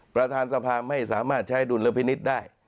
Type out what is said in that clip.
ประธานสภาไม่สามารถใช้ดุลพินิษฐ์ได้